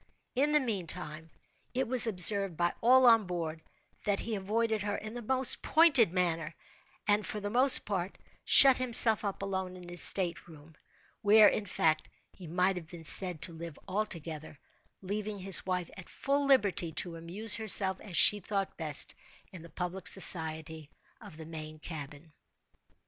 In the meantime, it was observed by all on board, that he avoided her in the most pointed manner, and, for the most part, shut himself up alone in his state room, where, in fact, he might have been said to live altogether, leaving his wife at full liberty to amuse herself as she thought best, in the public society of the main cabin.